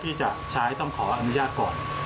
ที่จะใช้ต้องขออนุญาตก่อน